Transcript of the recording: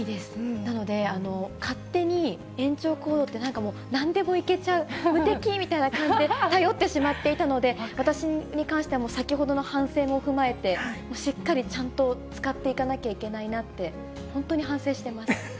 なので、勝手に延長コードって、なんでもいけちゃう、無敵みたいな感じで頼ってしまっていたので、私に関しては先ほどの反省も踏まえて、しっかりちゃんと使っていかなきゃいけないなって、本当に反省してます。